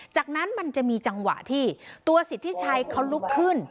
จากนั้นมันจะมีจังหวะที่ตัวสิทธิชัยเขาลุกขึ้น